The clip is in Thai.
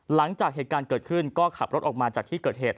หลังจากเหตุการณ์เกิดขึ้นก็ขับรถออกมาจากที่เกิดเหตุ